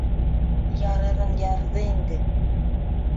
Ярырын ярҙы инде.